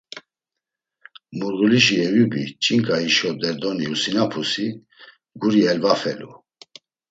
Murğulişi Eyubi, ç̌inǩa hişo derdoni usinapusi, guri elvafelu.